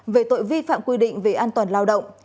về tội vi phạm quy định về an toàn lao động